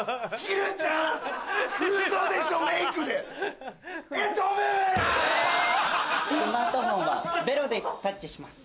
スマートフォンはベロでタッチします。